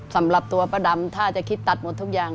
สำหรับตัวป้าดำถ้าจะคิดตัดหมดทุกอย่าง